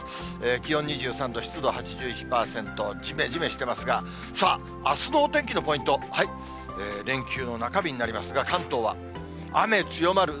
気温２３度、湿度８１％、じめじめしてますが、さあ、あすのお天気のポイント、連休の中日になりますが、関東は雨強まる。